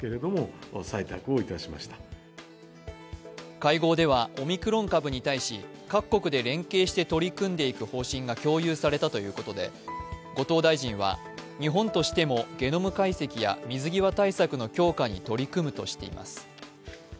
会合では、オミクロン株に対し各国で連携して取り組んでいく方針が共有されたということで後藤大臣は日本としてもゲノム解析や水際対策の強化に取り組むとしています。